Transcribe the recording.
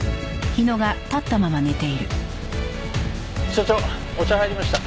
所長お茶入りました。